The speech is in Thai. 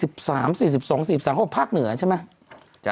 ๔๓๔๒๔๓เพราะว่าภาคเหนือใช่ไหม